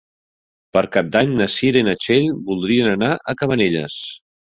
Per Cap d'Any na Cira i na Txell voldrien anar a Cabanelles.